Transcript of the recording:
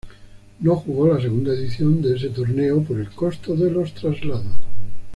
No jugó la segunda edición de ese torneo por el costo de los traslados.